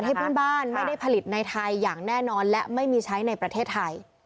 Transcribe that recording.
ให้เพื่อนบ้านไม่ได้ผลิตในไทยอย่างแน่นอนและไม่มีใช้ในประเทศไทย